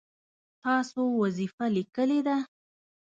تاسو وظیفه لیکلې ده؟